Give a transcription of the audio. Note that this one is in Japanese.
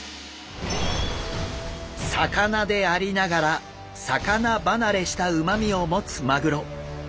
魚でありながら魚離れしたうまみを持つマグロ。